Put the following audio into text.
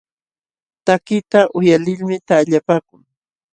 Takiqta uyalilmi taqllapaakun.